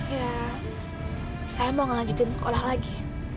ya saya mau ngelanjutin sekolah lagi